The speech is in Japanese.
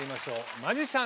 マジシャン